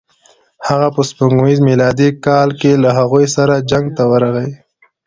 هغه په سپوږمیز میلادي کال کې له هغوی سره جنګ ته ورغی.